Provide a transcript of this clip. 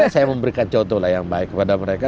saya memberikan contoh lah yang baik kepada mereka